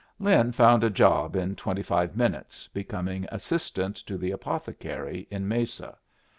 Lin found a job in twenty five minutes, becoming assistant to the apothecary in Mesa.